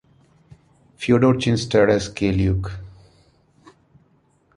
Feodor Chin starred as Keye Luke.